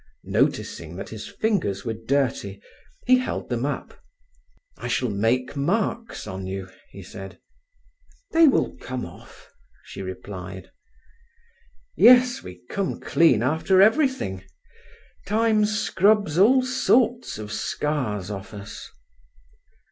Noticing that his fingers were dirty, he held them up. "I shall make marks on you," he said. "They will come off," she replied. "Yes, we come clean after everything. Time scrubs all sorts of scars off us."